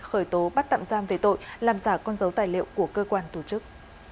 khởi tố bắt tạm giam về tội làm giả con dấu tài liệu của cơ quan tổ chức